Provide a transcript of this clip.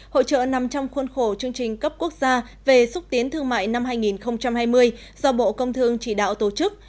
hội trợ nằm trong khuôn khổ chương trình cấp quốc gia về xúc tiến thương mại năm hai nghìn hai mươi do bộ công thương chỉ đạo tổ chức